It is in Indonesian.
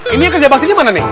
ini kerja baktinya mana nih